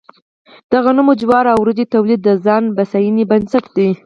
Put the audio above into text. د غنمو، جوارو او وريجو تولید د ځان بسیاینې بنسټ دی.